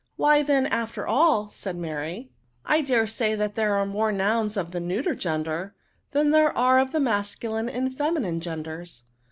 « Why then,. after all," said Mary, " I M 2 124 NOUNS. dare say that there are more nouns of the neuter gender, then there are of the mascu line and feminine genders.'